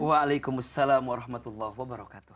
waalaikumsalam warahmatullahi wabarakatuh